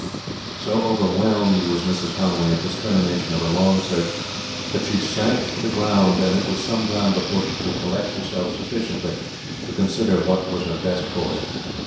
So overwhelmed was Mrs. Conway at this termination to her long search that she sank on the ground, and it was some time before she could collect herself sufficiently to consider what was her best course.